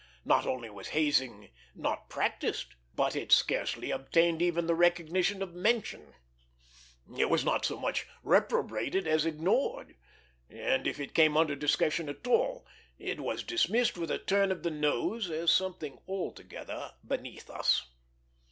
Not only was hazing not practised, but it scarcely obtained even the recognition of mention; it was not so much reprobated as ignored; and, if it came under discussion at all, it was dismissed with a turn of the nose, as something altogether beneath us.